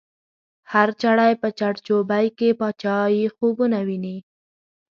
هر چړی په چړ چوبی کی، پاچایی خوبونه وینی